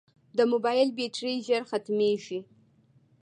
د موبایل بیټرۍ ژر ختمیږي.